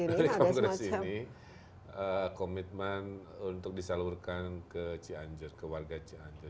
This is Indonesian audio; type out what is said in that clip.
dari kongres ini komitmen untuk disalurkan ke cianjur ke warga cianjur